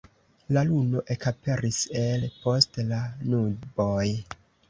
La luno ekaperis el post la nuboj.